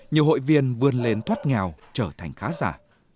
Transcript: nhiều hội viên vươn lên thoát nghèo trở thành khá giả